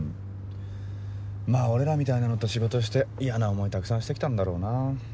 まぁ俺らみたいなのと仕事して嫌な思いたくさんして来たんだろうな。